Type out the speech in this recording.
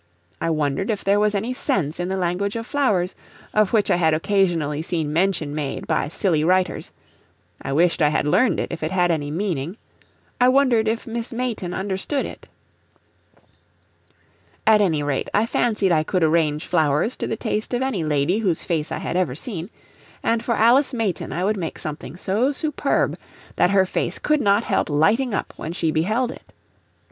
I wondered if there was any sense in the language of flowers, of which I had occasionally seen mention made by silly writers; I wished I had learned it if it had any meaning; I wondered if Miss Mayton understood it. At any rate, I fancied I could arrange flowers to the taste of any lady whose face I had ever seen; and for Alice Mayton I would make something so superb that her face could not help lighting up when she beheld it.